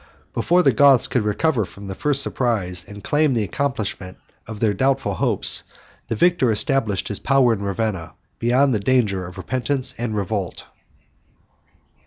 Before the Goths could recover from the first surprise, and claim the accomplishment of their doubtful hopes, the victor established his power in Ravenna, beyond the danger of repentance and revolt.